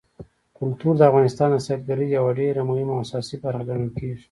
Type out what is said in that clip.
کلتور د افغانستان د سیلګرۍ یوه ډېره مهمه او اساسي برخه ګڼل کېږي.